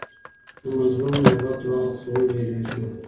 د مظلوم له بد دعا څخه وویریږئ.